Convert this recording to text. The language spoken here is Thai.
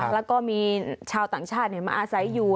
แล้วก็มีชาวต่างชาติมาอาศัยอยู่